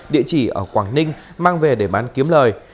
địa chỉ ở quảng ninh mang về để bán kiếm lời